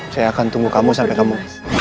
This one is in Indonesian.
saya akan tunggu kamu sampai kamu